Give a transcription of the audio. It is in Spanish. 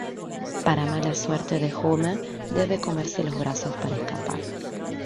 Para mala suerte de Homer, debe comerse los brazos para escapar.